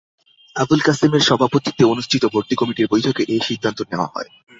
আবুল কাসেমের সভাপতিত্বে অনুষ্ঠিত ভর্তি কমিটির বৈঠকে এ সিদ্ধান্ত নেওয়া হয়।